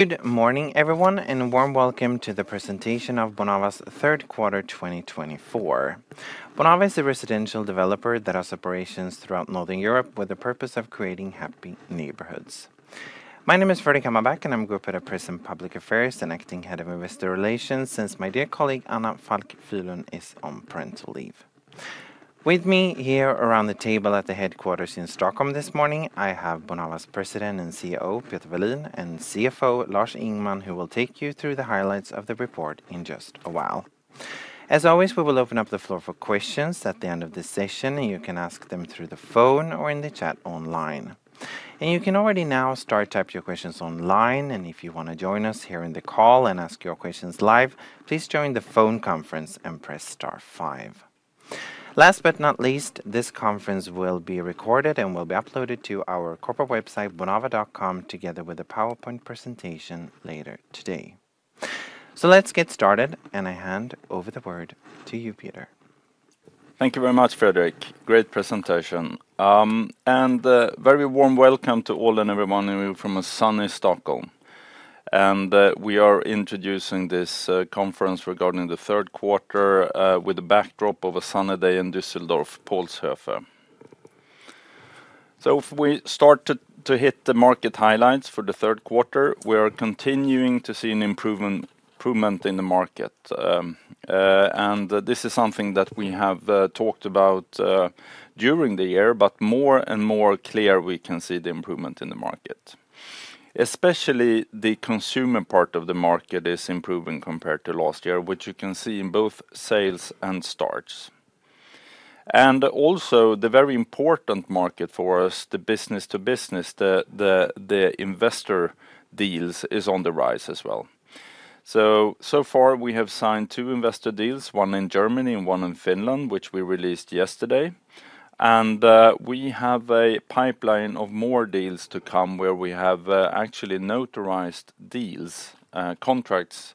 Good morning, everyone, and a warm welcome to the presentation of Bonava's third quarter 2024. Bonava is a residential developer that has operations throughout Northern Europe with the purpose of creating happy neighborhoods. My name is Fredrik Hammarbäck, and I'm Group Head of Press and Public Affairs, and Acting Head of Investor Relations, since my dear colleague, Anna Falk Bylund, is on parental leave. With me here around the table at the headquarters in Stockholm this morning, I have Bonava's President and CEO, Peter Wallin, and CFO, Lars Ingman, who will take you through the highlights of the report in just a while. As always, we will open up the floor for questions at the end of this session, and you can ask them through the phone or in the chat online. You can already now start type your questions online, and if you wanna join us here in the call and ask your questions live, please join the phone conference and press star five. Last but not least, this conference will be recorded and will be uploaded to our corporate website, bonava.com, together with the PowerPoint presentation later today. Let's get started, and I hand over the word to you, Peter. Thank you very much, Fredrik. Great presentation. And a very warm welcome to all and everyone from a sunny Stockholm. And we are introducing this conference regarding the third quarter with a backdrop of a sunny day in Düsseldorf, Paulshöfe. So if we start to hit the market highlights for the third quarter, we are continuing to see an improvement in the market. And this is something that we have talked about during the year, but more and more clear we can see the improvement in the market. Especially the consumer part of the market is improving compared to last year, which you can see in both sales and starts. And also, the very important market for us, the business-to-business, the investor deals, is on the rise as well. So far, we have signed two investor deals, one in Germany and one in Finland, which we released yesterday. We have a pipeline of more deals to come where we have actually notarized deals, contracts,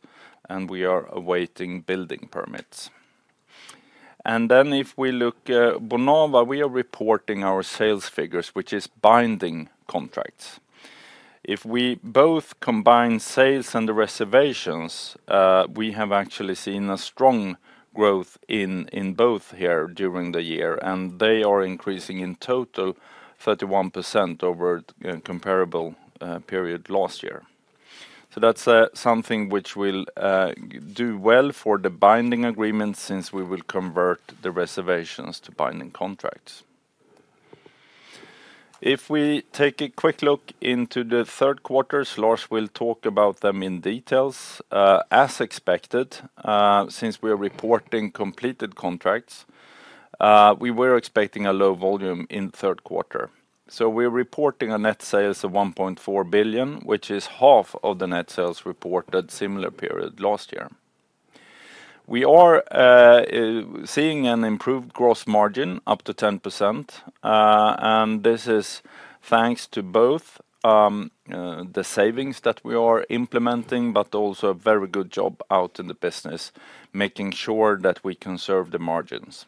and we are awaiting building permits. Then if we look, Bonava, we are reporting our sales figures, which is binding contracts. If we both combine sales and the reservations, we have actually seen a strong growth in both here during the year, and they are increasing in total 31% over comparable period last year. That's something which will do well for the binding agreement since we will convert the reservations to binding contracts. If we take a quick look into the third quarters, Lars will talk about them in details. As expected, since we are reporting completed contracts, we were expecting a low volume in third quarter, so we're reporting net sales of 1.4 billion, which is half of the net sales reported similar period last year. We are seeing an improved gross margin up to 10%, and this is thanks to both the savings that we are implementing, but also a very good job out in the business, making sure that we conserve the margins.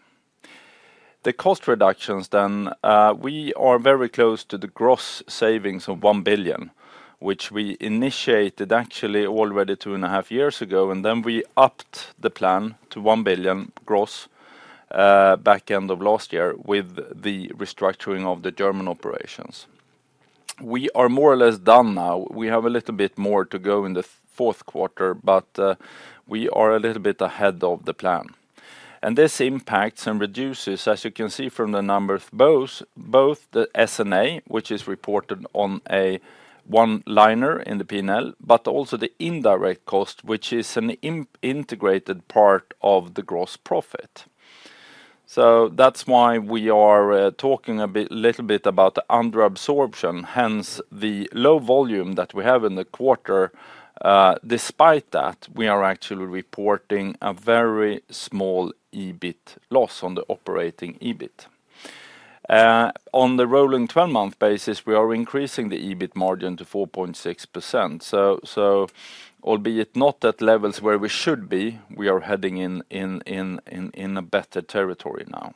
The cost reductions then we are very close to the gross savings of 1 billion, which we initiated actually already two and a half years ago, and then we upped the plan to 1 billion gross, back end of last year with the restructuring of the German operations. We are more or less done now. We have a little bit more to go in the fourth quarter, but we are a little bit ahead of the plan, and this impacts and reduces, as you can see from the numbers, both the S&A, which is reported on a one-liner in the P&L, but also the indirect cost, which is an integrated part of the gross profit. So that's why we are talking a bit, little bit about the under absorption, hence the low volume that we have in the quarter. Despite that, we are actually reporting a very small EBIT loss on the operating EBIT. On the rolling twelve-month basis, we are increasing the EBIT margin to 4.6%. So albeit not at levels where we should be, we are heading in a better territory now.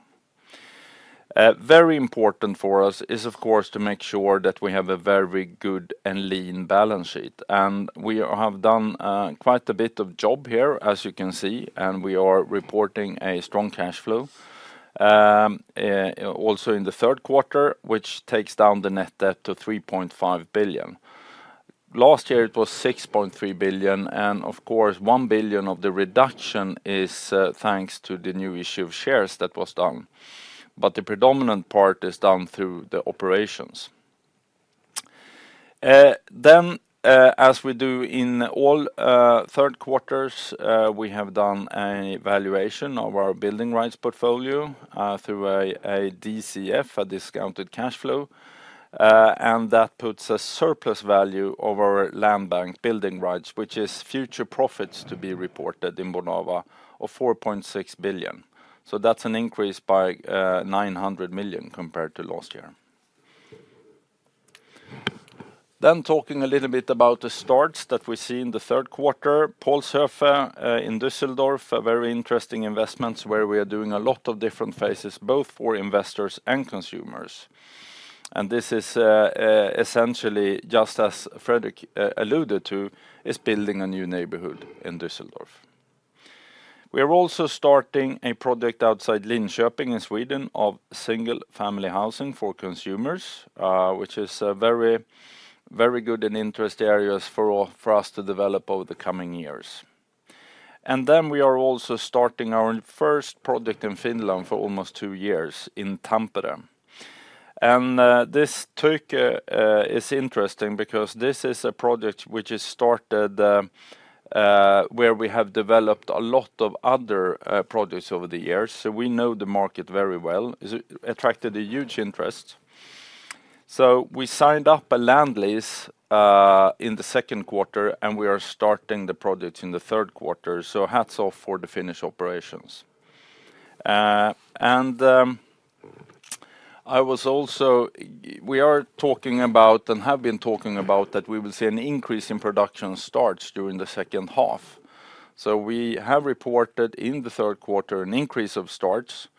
Very important for us is, of course, to make sure that we have a very good and lean balance sheet. And we have done quite a bit of job here, as you can see, and we are reporting a strong cash flow also in the third quarter, which takes down the net debt to 3.5 billion. Last year, it was 6.3 billion, and of course, one billion of the reduction is thanks to the new issue of shares that was done, but the predominant part is done through the operations. Then, as we do in all third quarters, we have done a valuation of our building rights portfolio through a DCF, a discounted cash flow, and that puts a surplus value over land bank building rights, which is future profits to be reported in Bonava of 4.6 billion. So that's an increase by 900 million compared to last year. Then talking a little bit about the starts that we see in the third quarter. Polsege in Düsseldorf, a very interesting investments where we are doing a lot of different phases, both for investors and consumers. And this is essentially, just as Fredrik alluded to, is building a new neighborhood in Düsseldorf. We are also starting a project outside Linköping in Sweden, of single-family housing for consumers, which is a very, very good and interesting areas for us to develop over the coming years, and then we are also starting our first project in Finland for almost two years, in Tampere, and this Turku is interesting because this is a project which is started, where we have developed a lot of other projects over the years, so we know the market very well. It attracted a huge interest, so we signed up a land lease in the second quarter, and we are starting the project in the third quarter, so hats off for the Finnish operations. We are talking about, and have been talking about, that we will see an increase in production starts during the second half. So we have reported in the third quarter an increase of starts,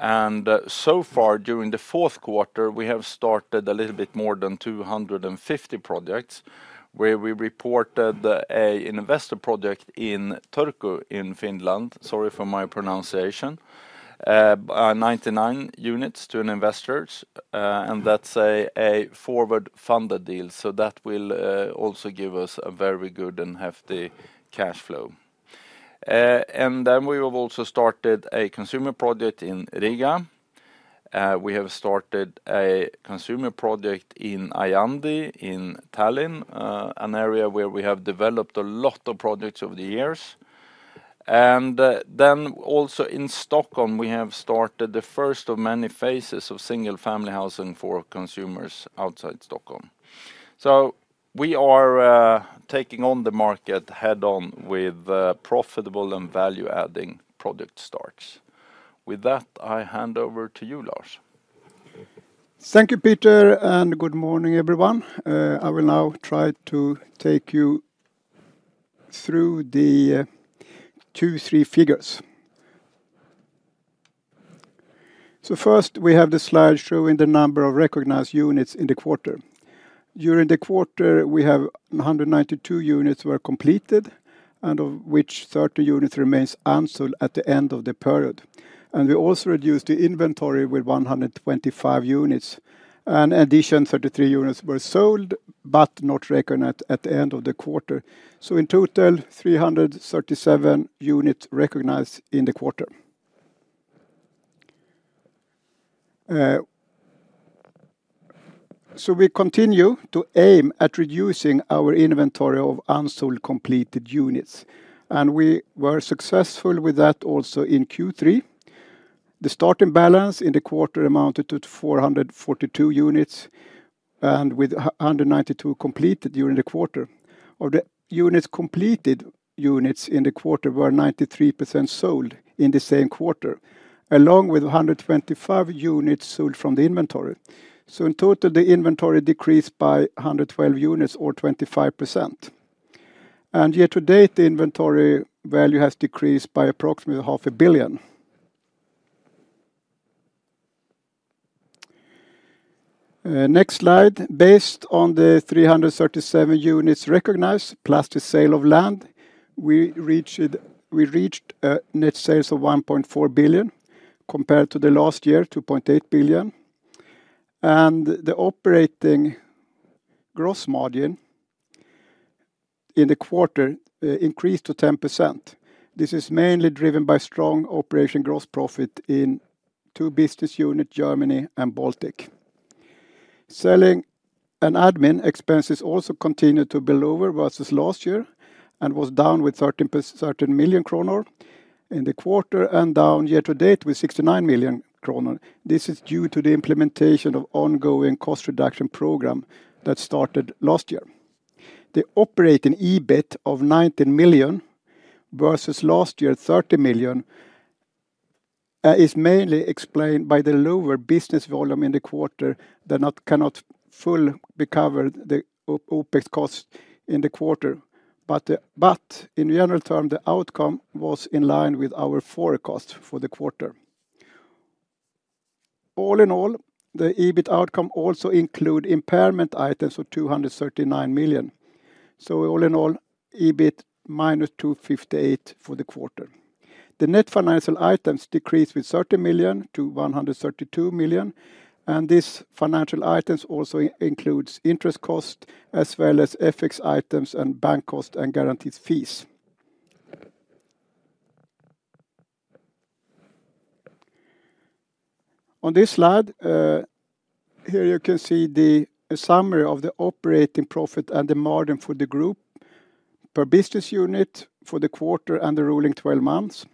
and so far during the fourth quarter, we have started a little bit more than 250 projects, where we reported an investor project in Turku, in Finland. Sorry for my pronunciation. Ninety-nine units to investors, and that's a forward funded deal. So that will also give us a very good and hefty cash flow. And then we have also started a consumer project in Riga. We have started a consumer project in Aiandi, in Tallinn, an area where we have developed a lot of projects over the years. Then also in Stockholm, we have started the first of many phases of single family housing for consumers outside Stockholm. We are taking on the market head-on with profitable and value-adding project starts. With that, I hand over to you, Lars. Thank you, Peter, and good morning, everyone. I will now try to take you through the two, three figures. So first, we have the slide showing the number of recognized units in the quarter. During the quarter, we have 192 units were completed, and of which 30 units remains unsold at the end of the period. And we also reduced the inventory with 125 units. In addition, 33 units were sold, but not recognized at the end of the quarter. So in total, 337 units recognized in the quarter. So we continue to aim at reducing our inventory of unsold, completed units, and we were successful with that also in Q3. The starting balance in the quarter amounted to 442 units, and with 192 completed during the quarter. Of the units completed, units in the quarter were 93% sold in the same quarter, along with 125 units sold from the inventory. So in total, the inventory decreased by 112 units, or 25%. And year to date, the inventory value has decreased by approximately SEK 500 million. Next slide. Based on the 337 units recognized, plus the sale of land, we reached net sales of 1.4 billion, compared to last year 2.8 billion. And the operating gross margin in the quarter increased to 10%. This is mainly driven by strong operating gross profit in two business units, Germany and Baltic. Selling and admin expenses also continued to be lower versus last year, and was down with 13 million kronor in the quarter, and down year to date with 69 million kronor. This is due to the implementation of ongoing cost reduction program that started last year. The operating EBIT of 19 million, versus last year, 30 million, is mainly explained by the lower business volume in the quarter, that cannot fully recover the OPEX cost in the quarter. But, but in general term, the outcome was in line with our forecast for the quarter. All in all, the EBIT outcome also include impairment items of 239 million. So all in all, EBIT minus 258 million for the quarter. The net financial items decreased with 30 million to 132 million, and these financial items also includes interest cost, as well as FX items, and bank costs, and guarantee fees. On this slide, here you can see the summary of the operating profit and the margin for the group per business unit for the quarter and the rolling 12 months.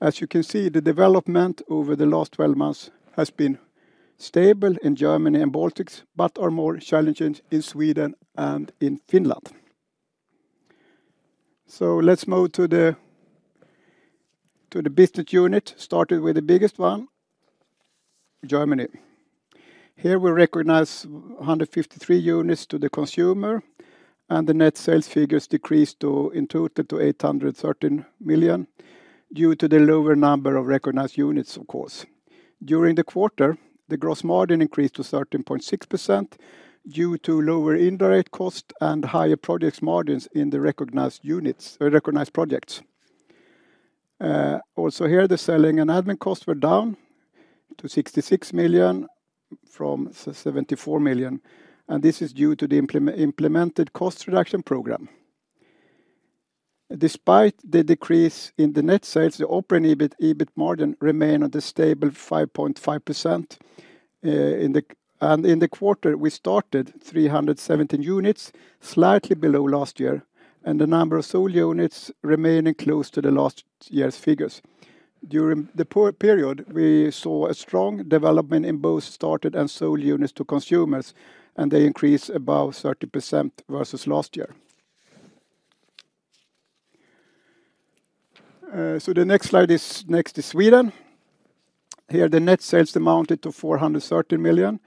As you can see, the development over the last 12 months has been stable in Germany and Baltics, but are more challenging in Sweden and in Finland. So let's move to the business unit, starting with the biggest one, Germany. Here, we recognize 153 units to the consumer, and the net sales figures decreased to, in total, eight hundred and thirteen million, due to the lower number of recognized units, of course. During the quarter, the gross margin increased to 13.6% due to lower indirect costs and higher projects margins in the recognized units, or recognized projects. Also here, the selling and admin costs were down to 66 million from 74 million, and this is due to the implemented cost reduction program. Despite the decrease in the net sales, the operating EBIT, EBIT margin remained at a stable 5.5%, and in the quarter, we started 317 units, slightly below last year, and the number of sold units remaining close to the last year's figures. During the period, we saw a strong development in both started and sold units to consumers, and they increased above 30% versus last year. So the next slide is, next is Sweden. Here, the net sales amounted to 430 million,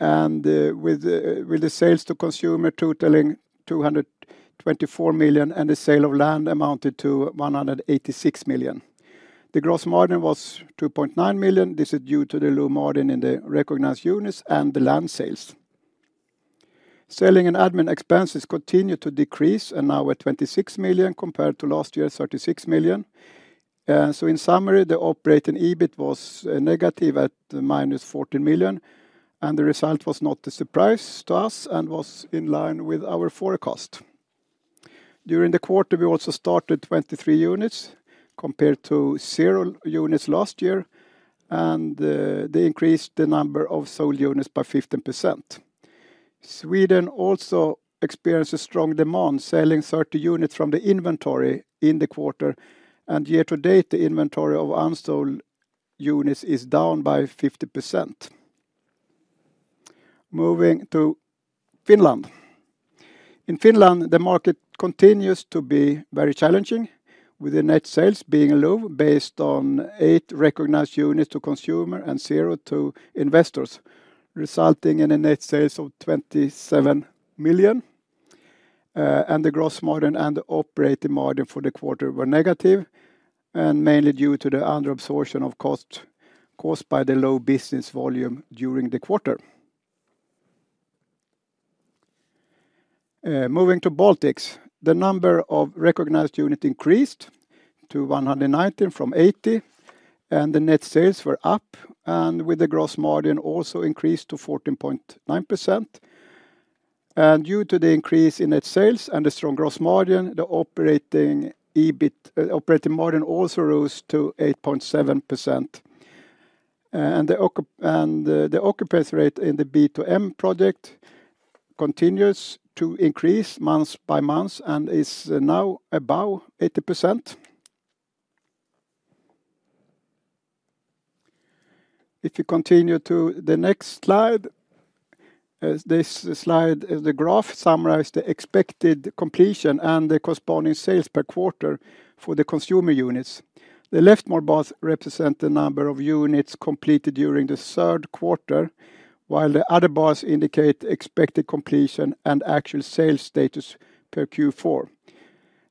and with the sales to consumer totaling 224 million, and the sale of land amounted to 186 million. The gross margin was 2.9 million. This is due to the low margin in the recognized units and the land sales. Selling and admin expenses continued to decrease, and now at 26 million, compared to last year's 36 million. So in summary, the operating EBIT was negative at minus 14 million, and the result was not a surprise to us and was in line with our forecast. During the quarter, we also started 23 units, compared to 0 units last year, and they increased the number of sold units by 15%. Sweden also experienced a strong demand, selling 30 units from the inventory in the quarter, and year to date, the inventory of unsold units is down by 50%. Moving to Finland. In Finland, the market continues to be very challenging, with the net sales being low, based on 8 recognized units to consumer and 0 to investors, resulting in net sales of 27 million, and the gross margin and operating margin for the quarter were negative, and mainly due to the underabsorption of cost caused by the low business volume during the quarter. Moving to Baltics. The number of recognized unit increased to 119 from 80, and the net sales were up, and with the gross margin also increased to 14.9%. Due to the increase in net sales and the strong gross margin, the operating EBIT operating margin also rose to 8.7%. The occupancy rate in the B2M project continues to increase month by month and is now above 80%. If you continue to the next slide, this slide, the graph summarizes the expected completion and the corresponding sales per quarter for the consumer units. The leftmost bars represent the number of units completed during the third quarter, while the other bars indicate expected completion and actual sales status per Q4.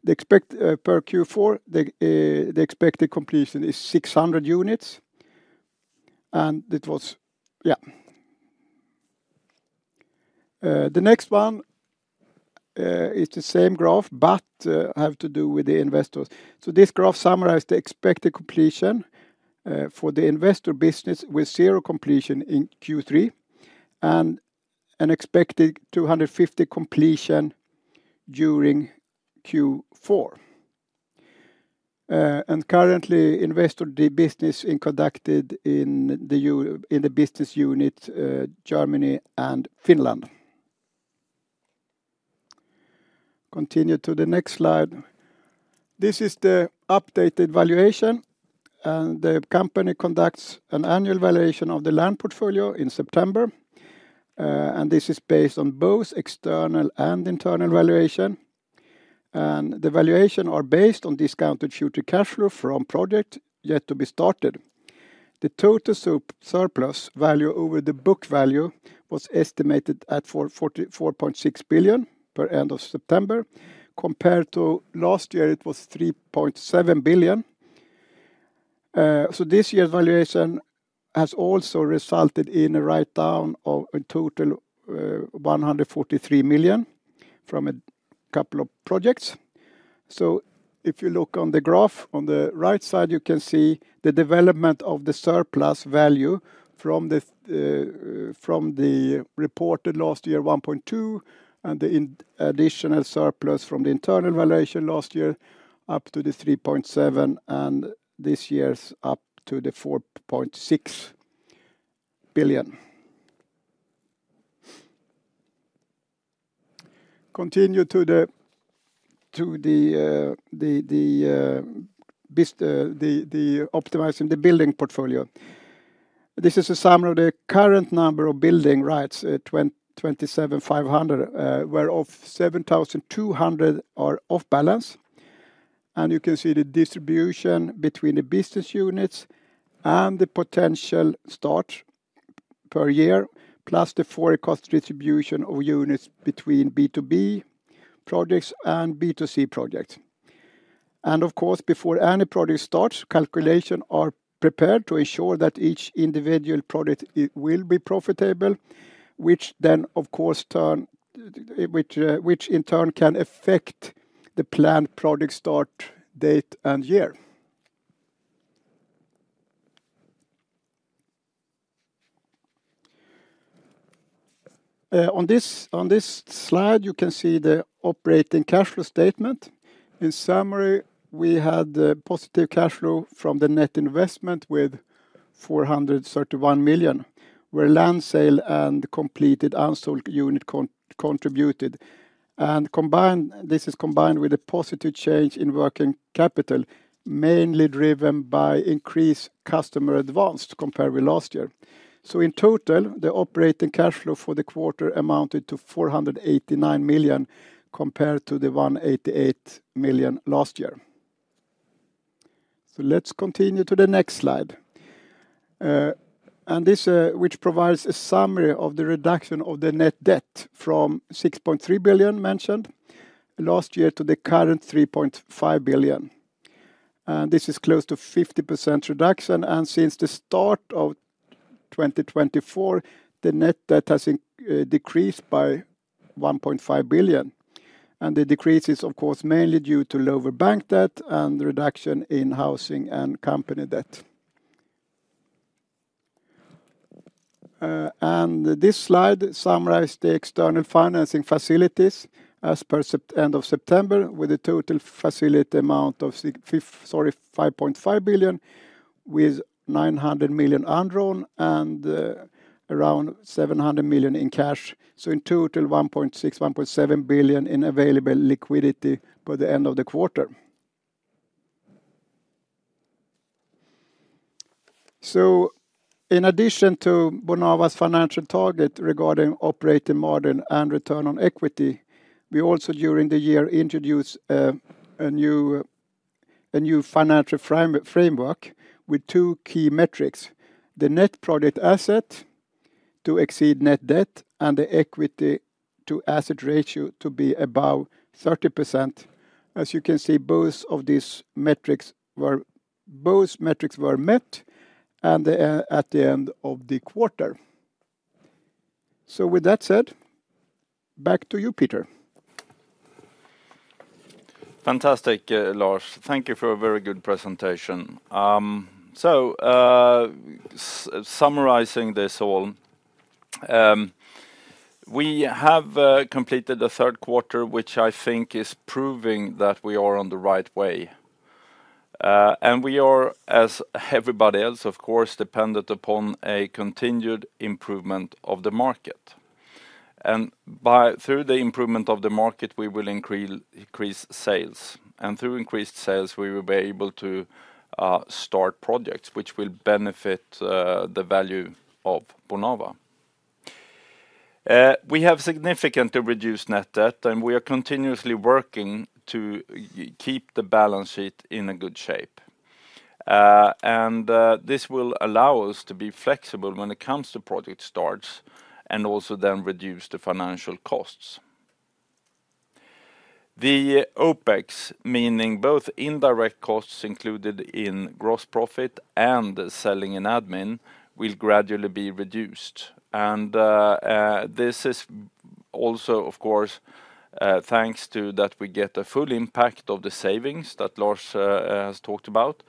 Per Q4, the expected completion is 600 units, and it was... Yeah. The next one is the same graph, but have to do with the investors. This graph summarizes the expected completion for the investor business, with zero completion in Q3, and an expected 250 completion during Q4. Currently, investor, the business is conducted in the business unit Germany and Finland. Continue to the next slide. This is the updated valuation, and the company conducts an annual valuation of the land portfolio in September, and this is based on both external and internal valuation. The valuation are based on discounted future cash flow from project yet to be started. The total surplus value over the book value was estimated at 4.6 billion per end of September. Compared to last year, it was 3.7 billion. So this year's valuation has also resulted in a write-down of a total, 143 million from a couple of projects. So if you look on the graph, on the right side, you can see the development of the surplus value from the reported last year, 1.2 billion, and the additional surplus from the internal valuation last year, up to the 3.7 billion, and this year's up to the 4.6 billion. Continue to the business of optimizing the building portfolio. This is a summary of the current number of building rights, 27,500, whereof 7,200 are off balance, and you can see the distribution between the business units and the potential start. per year, plus the forecast distribution of units between B2B projects and B2C projects. And of course, before any project starts, calculations are prepared to ensure that each individual project, it will be profitable, which then, of course, which in turn can affect the planned project start date and year. On this slide, you can see the operating cash flow statement. In summary, we had positive cash flow from the net investment with 431 million, where land sales and completed unsold units contributed. And combined with a positive change in working capital, mainly driven by increased customer advances compared with last year. So in total, the operating cash flow for the quarter amounted to 489 million, compared to 188 million last year. So let's continue to the next slide. This, which provides a summary of the reduction of the net debt from 6.3 billion mentioned last year, to the current 3.5 billion. This is close to 50% reduction, and since the start of 2024, the net debt has decreased by 1.5 billion. And the decrease is, of course, mainly due to lower bank debt and the reduction in housing and company debt. This slide summarizes the external financing facilities as per end of September, with a total facility amount of 5.5 billion, with 900 million undrawn and around 700 million in cash. So in total, 1.6-1.7 billion in available liquidity by the end of the quarter. In addition to Bonava's financial target regarding operating margin and return on equity, we also, during the year, introduced a new financial framework with two key metrics: the net project asset to exceed net debt, and the equity to asset ratio to be above 30%. As you can see, both metrics were met at the end of the quarter. With that said, back to you, Peter. Fantastic, Lars. Thank you for a very good presentation. So, summarizing this all, we have completed the third quarter, which I think is proving that we are on the right way, and we are, as everybody else, of course, dependent upon a continued improvement of the market. Through the improvement of the market, we will increase sales. Through increased sales, we will be able to start projects which will benefit the value of Bonava. We have significantly reduced net debt, and we are continuously working to keep the balance sheet in a good shape. This will allow us to be flexible when it comes to project starts, and also then reduce the financial costs. The OPEX, meaning both indirect costs included in gross profit and selling and admin, will gradually be reduced. This is also, of course, thanks to that, we get a full impact of the savings that Lars has talked about.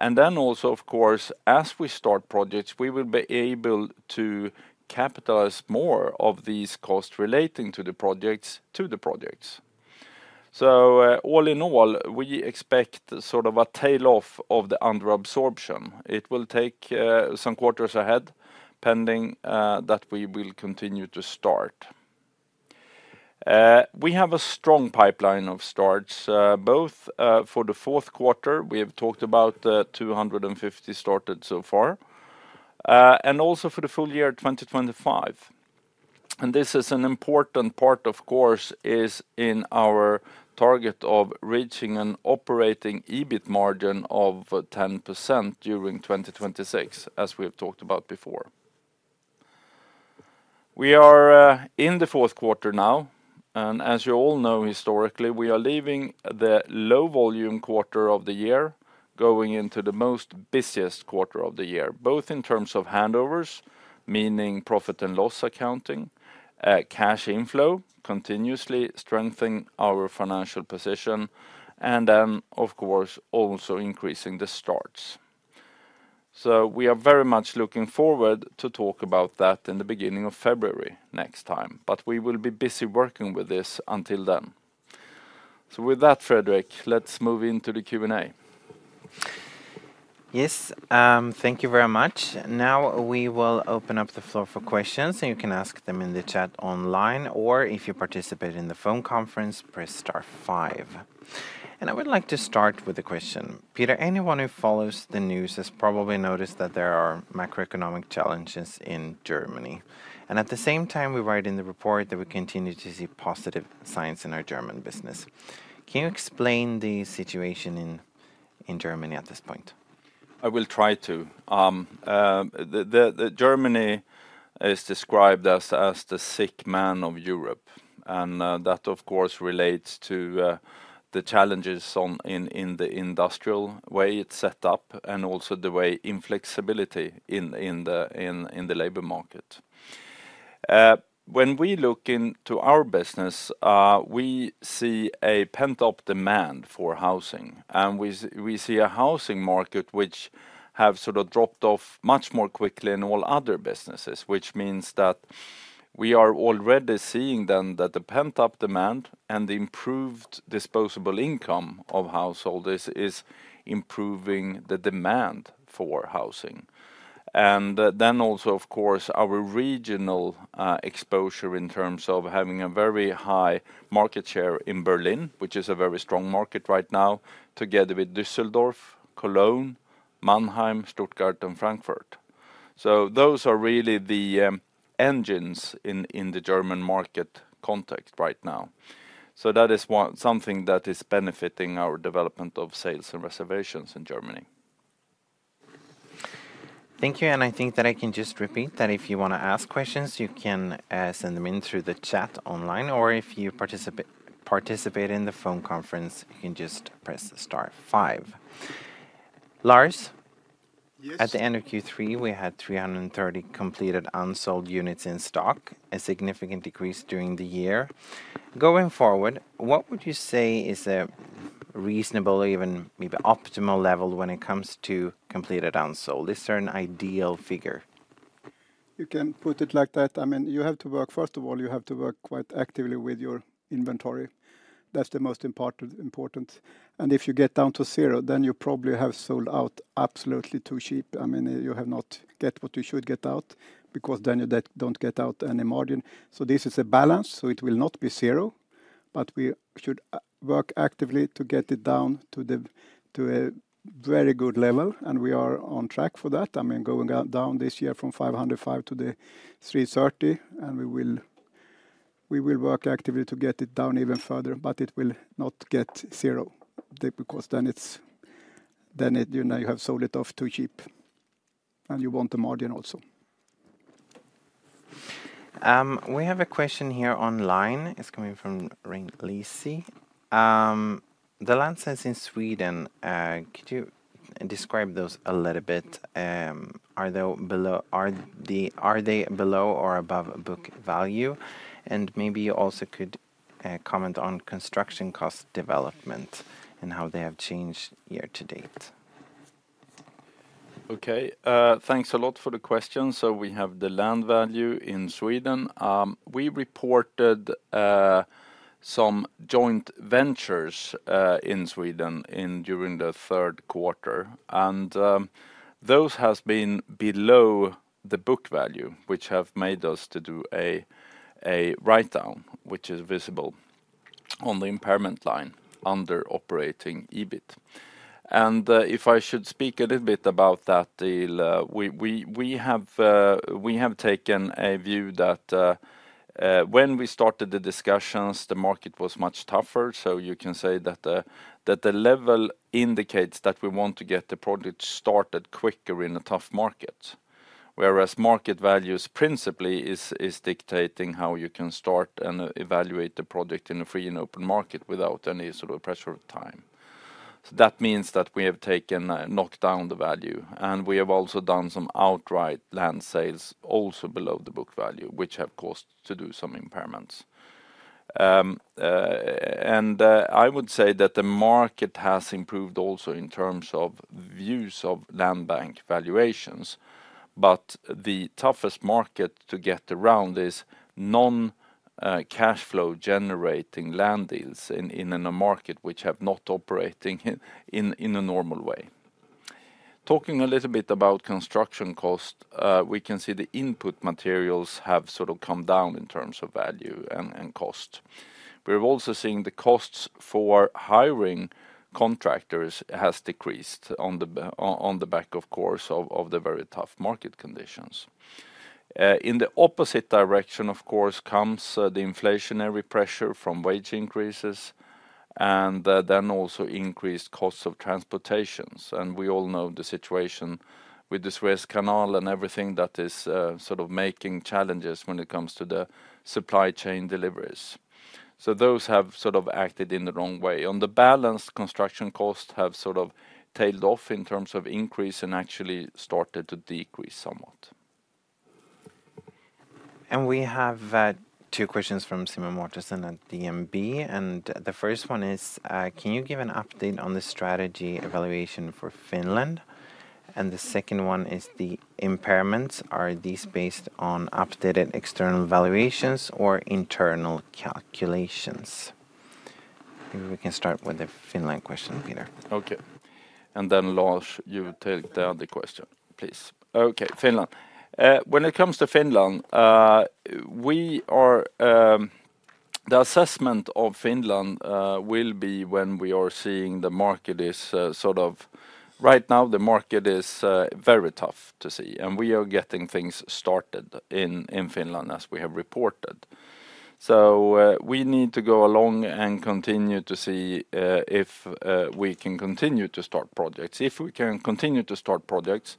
Then also, of course, as we start projects, we will be able to capitalize more of these costs relating to the projects, to the projects. All in all, we expect sort of a tail-off of the under absorption. It will take some quarters ahead, pending that we will continue to start. We have a strong pipeline of starts, both for the fourth quarter, we have talked about 250 started so far, and also for the full year 2025. This is an important part, of course, is in our target of reaching an operating EBIT margin of 10% during 2026, as we have talked about before. We are in the fourth quarter now, and as you all know, historically, we are leaving the low-volume quarter of the year, going into the most busiest quarter of the year, both in terms of handovers, meaning profit and loss accounting, cash inflow, continuously strengthening our financial position, and then, of course, also increasing the starts. So we are very much looking forward to talk about that in the beginning of February next time, but we will be busy working with this until then. So with that, Fredrik, let's move into the Q&A. Yes, thank you very much. Now, we will open up the floor for questions, and you can ask them in the chat online, or if you participate in the phone conference, press star five. And I would like to start with a question. Peter, anyone who follows the news has probably noticed that there are macroeconomic challenges in Germany. And at the same time, we write in the report that we continue to see positive signs in our German business. Can you explain the situation in Germany at this point? I will try to. Germany is described as the sick man of Europe, and that of course relates to the challenges in the labor market. When we look into our business, we see a pent-up demand for housing, and we see a housing market which have sort of dropped off much more quickly than all other businesses. Which means that we are already seeing then that the pent-up demand and the improved disposable income of households is improving the demand for housing. And then also, of course, our regional exposure in terms of having a very high market share in Berlin, which is a very strong market right now, together with Düsseldorf, Cologne, Mannheim, Stuttgart, and Frankfurt. Those are really the engines in the German market context right now. That is one something that is benefiting our development of sales and reservations in Germany. Thank you, and I think that I can just repeat that if you want to ask questions, you can send them in through the chat online, or if you participate in the phone conference, you can just press star five. Lars? Yes. At the end of Q3, we had 330 completed unsold units in stock, a significant decrease during the year. Going forward, what would you say is a reasonable or even maybe optimal level when it comes to completed unsold? Is there an ideal figure? You can put it like that. I mean, you have to work. First of all, you have to work quite actively with your inventory. That's the most important. And if you get down to zero, then you probably have sold out absolutely too cheap. I mean, you have not get what you should get out, because then you don't get out any margin. So this is a balance, so it will not be zero, but we should work actively to get it down to a very good level, and we are on track for that. I mean, going down this year from 505 to 330, and we will work actively to get it down even further, but it will not get zero. Because then it, you know, you have sold it off too cheap, and you want the margin also. We have a question here online. It's coming from Rein Lacy. The land sales in Sweden, could you describe those a little bit? Are they below or above book value? And maybe you also could comment on construction cost development and how they have changed year to date. Okay. Thanks a lot for the question. So we have the land value in Sweden. We reported some joint ventures in Sweden during the third quarter, and those has been below the book value, which have made us to do a write-down, which is visible on the impairment line under operating EBIT. And if I should speak a little bit about that deal, we have taken a view that when we started the discussions, the market was much tougher. So you can say that the level indicates that we want to get the project started quicker in a tough market. Whereas market values principally is dictating how you can start and evaluate the project in a free and open market without any sort of pressure of time. So that means that we have taken knocked down the value, and we have also done some outright land sales, also below the book value, which have caused to do some impairments. I would say that the market has improved also in terms of views of land bank valuations, but the toughest market to get around is non cash flow generating land deals in a market which have not operating in a normal way. Talking a little bit about construction cost, we can see the input materials have sort of come down in terms of value and cost. We're also seeing the costs for hiring contractors has decreased on the back, of course, of the very tough market conditions. In the opposite direction, of course, comes the inflationary pressure from wage increases, and then also increased costs of transportations, and we all know the situation with the Suez Canal and everything that is sort of making challenges when it comes to the supply chain deliveries, so those have sort of acted in the wrong way. On the balance, construction costs have sort of tailed off in terms of increase, and actually started to decrease somewhat. We have two questions from Simen Mortensen at DNB. The first one is: Can you give an update on the strategy evaluation for Finland? The second one is the impairments: Are these based on updated external valuations or internal calculations? Maybe we can start with the Finland question, Peter. Okay. And then, Lars, you take the other question, please. Okay, Finland. When it comes to Finland, we are. The assessment of Finland will be when we are seeing the market is right now, the market is very tough to see, and we are getting things started in Finland, as we have reported. So, we need to go along and continue to see if we can continue to start projects. If we can continue to start projects,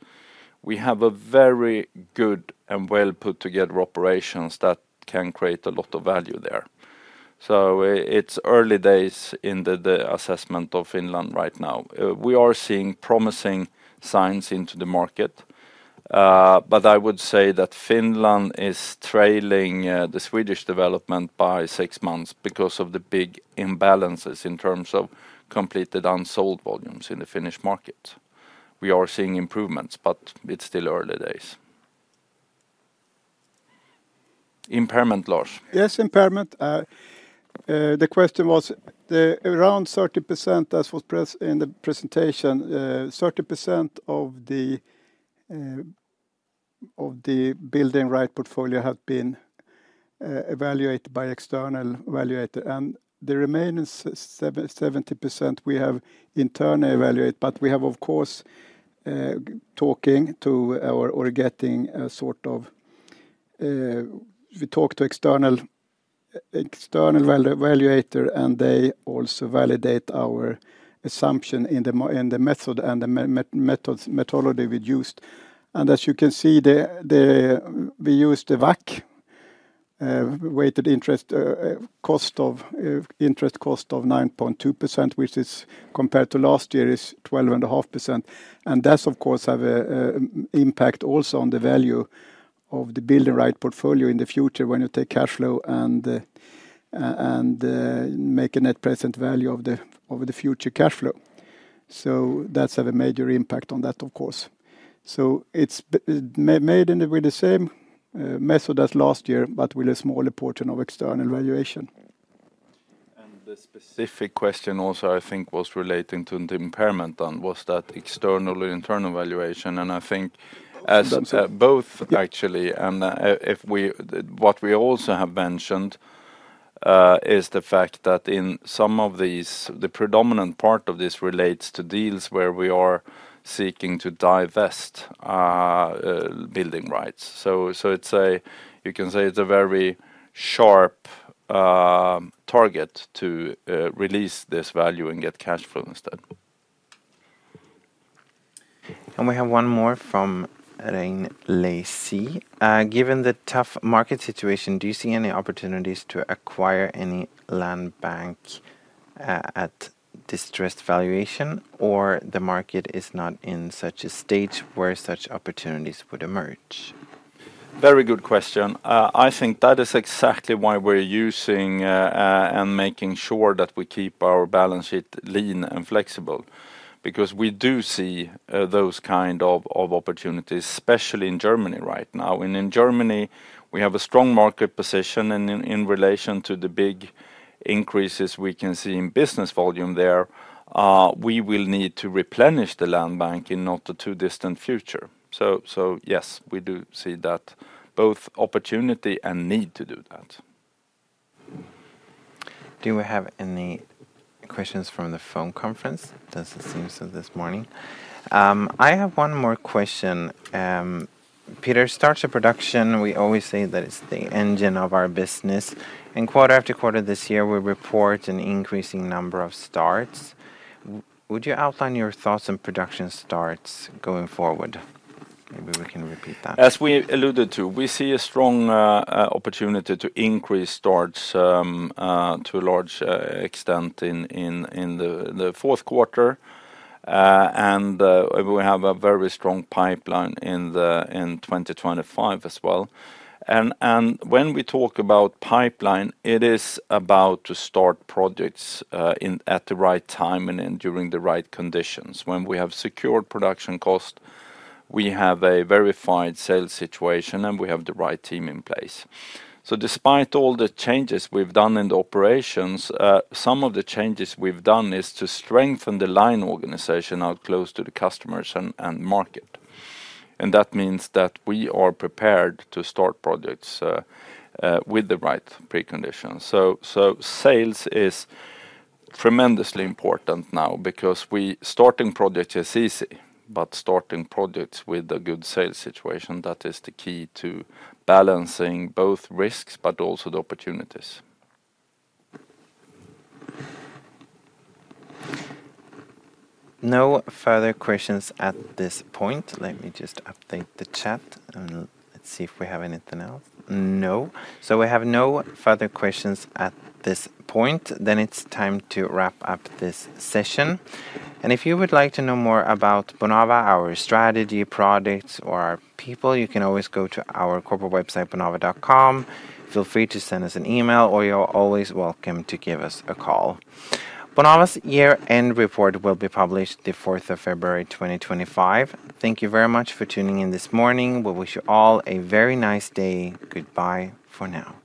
we have a very good and well-put-together operations that can create a lot of value there. So, it's early days in the assessment of Finland right now. We are seeing promising signs into the market, but I would say that Finland is trailing the Swedish development by six months because of the big imbalances in terms of completed unsold volumes in the Finnish market. We are seeing improvements, but it's still early days. Impairment loss? Yes, impairment. The question was the around 30%, as was presented in the presentation, 30% of the building right portfolio have been evaluated by external evaluator. And the remaining seventy percent, we have internally evaluate, but we have, of course, talking to our. Or getting a sort of, we talk to external evaluator, and they also validate our assumption in the model in the method and the methods, methodology we've used. And as you can see, the, we use the WACC, weighted interest, cost of interest cost of 9.2%, which is, compared to last year, is 12.5%. That, of course, have a impact also on the value of the building rights portfolio in the future when you take cash flow and make a net present value of the future cash flow. That's have a major impact on that, of course. It's been made with the same method as last year, but with a smaller portion of external valuation. And the specific question also, I think, was relating to the impairment on, was that external or internal valuation? And I think as- That's it. Both, actually. And what we also have mentioned is the fact that in some of these, the predominant part of this relates to deals where we are seeking to divest building rights. So, it's a, you can say it's a very sharp target to release this value and get cash flow instead. And we have one more from Rein Lacy. "Given the tough market situation, do you see any opportunities to acquire any land bank at distressed valuation? Or the market is not in such a state where such opportunities would emerge? Very good question. I think that is exactly why we're using and making sure that we keep our balance sheet lean and flexible. Because we do see those kind of opportunities, especially in Germany right now. And in Germany, we have a strong market position, and in relation to the big increases we can see in business volume there, we will need to replenish the land bank in not too distant future. So, yes, we do see that both opportunity and need to do that. Do we have any questions from the phone conference? Doesn't seem so this morning. I have one more question. Peter, start of production, we always say that it's the engine of our business, and quarter after quarter this year, we report an increasing number of starts. Would you outline your thoughts on production starts going forward? Maybe we can repeat that. As we alluded to, we see a strong opportunity to increase starts to a large extent in the fourth quarter. And we have a very strong pipeline in twenty twenty-five as well. And when we talk about pipeline, it is about to start projects at the right time and during the right conditions. When we have secured production cost, we have a verified sales situation, and we have the right team in place. So despite all the changes we've done in the operations, some of the changes we've done is to strengthen the line organization out close to the customers and market. And that means that we are prepared to start projects with the right preconditions. Sales is tremendously important now because starting project is easy, but starting projects with a good sales situation, that is the key to balancing both risks, but also the opportunities. No further questions at this point. Let me just update the chat and let's see if we have anything else. No. So we have no further questions at this point. Then it's time to wrap up this session. And if you would like to know more about Bonava, our strategy, products, or our people, you can always go to our corporate website, bonava.com. Feel free to send us an email, or you're always welcome to give us a call. Bonava's year-end report will be published the fourth of February, 2025. Thank you very much for tuning in this morning. We wish you all a very nice day. Goodbye for now.